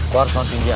gue harus ngasih dia